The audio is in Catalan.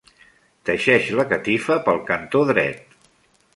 Teixeix la catifa pel cantó dret.